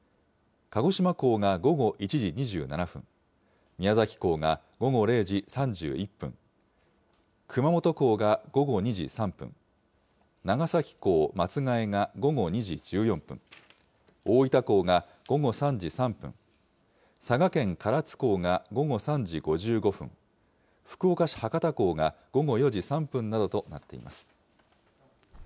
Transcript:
鹿児島港が午後１時２７分、宮崎港が午後０時３１分、熊本港が午後２時３分、長崎港松が枝が午後２時１４分、大分港が午後３時３分、佐賀県唐津港が午後３時５５分、福岡市博多港が午後４時３分などとなっています。